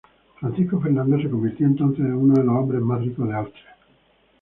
Francisco Fernando se convirtió entonces en uno de los hombres más ricos de Austria.